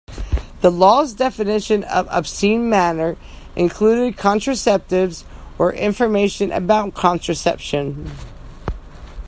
The law's definition of obscene matter included contraceptives or information about contraception.